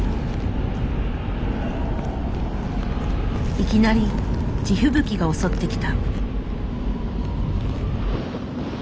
いきなり地吹雪が襲ってきた。